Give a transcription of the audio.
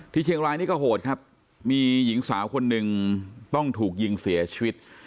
เชียงรายนี่ก็โหดครับมีหญิงสาวคนหนึ่งต้องถูกยิงเสียชีวิต